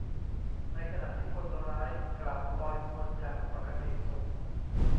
ในขณะที่คนร้ายกลับลอยนวลอย่างปกติสุข